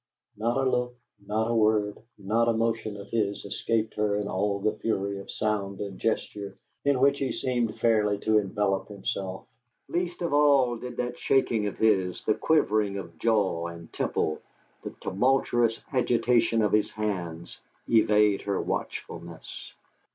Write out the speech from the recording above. Not a look, not a word, not a motion of his escaped her in all the fury of sound and gesture in which he seemed fairly to envelop himself; least of all did that shaking of his the quivering of jaw and temple, the tumultuous agitation of his hands evade her watchfulness.